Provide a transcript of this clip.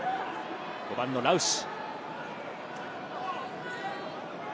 ５番のラウシ。